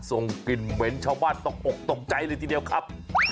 ส่งกลิ่นเหม็นชาวบ้านตกอกตกใจเลยทีเดียวครับ